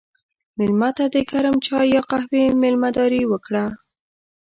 مېلمه ته د ګرم چای یا قهوې میلمهداري وکړه.